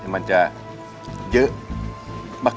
มันจะเยอะ